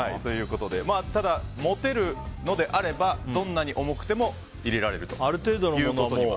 ただ、持てるのであればどんなに重くても入れられるということには。